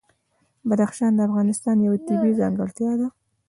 بدخشان د افغانستان یوه طبیعي ځانګړتیا ده.